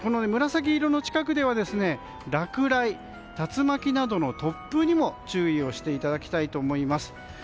紫色の近くでは落雷、竜巻などの突風にも注意をしていただきたいと思います。